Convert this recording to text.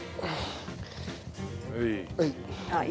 はい。